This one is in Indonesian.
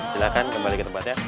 silahkan kembali ke tempatnya